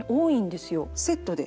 セットで？